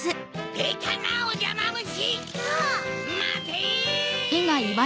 まて！